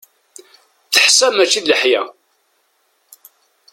Teḥsa mačči d leḥya.